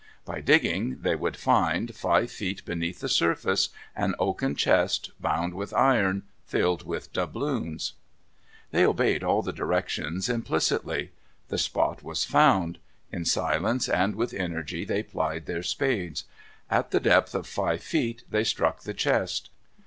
By digging they would find, five feet beneath the surface, an oaken chest, bound with iron, filled with doubloons. They obeyed all the directions implicitly. The spot was found. In silence and with energy they plied their spades. At the depth of five feet they struck the chest.